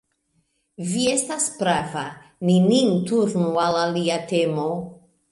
Vi estas prava: ni nin turnu al alia temo.